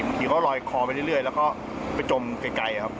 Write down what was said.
ขี่ก็ลอยคอไปเรื่อยแล้วก็ไปจมไกลครับ